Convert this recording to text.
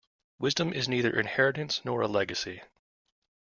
Wisdom is neither inheritance nor a legacy.